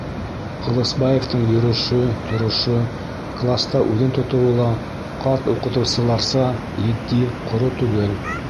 Ҡылысбаевтың йөрөшө, торошо, класта үҙен тотоуы ла ҡарт уҡытыусыларса етди, ҡоро түгел.